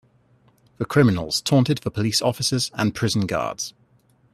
The criminals taunted the police officers and prison guards.